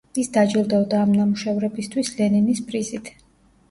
ის დაჯილდოვდა ამ ნამუშევრებისთვის ლენინის პრიზით.